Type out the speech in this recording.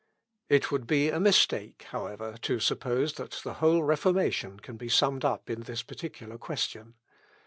It would be a mistake, however, to suppose that the whole Reformation can be summed up in this particular question.